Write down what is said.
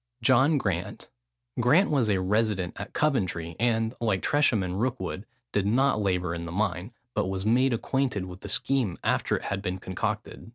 JOHN GRANT. Grant was a resident at Coventry, and, like Tresham and Rookwood, did not labour in the mine, but was made acquainted with the scheme after it had been concocted.